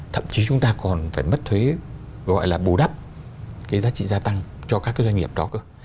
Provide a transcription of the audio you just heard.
thậm chí chúng ta còn phải mất thuế gọi là bù đắp cái giá trị gia tăng cho các cái doanh nghiệp đó cơ